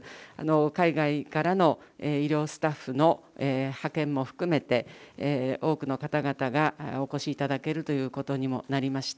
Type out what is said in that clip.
海外からの医療スタッフの派遣も含めて、多くの方々がお越しいただけるということにもなりました。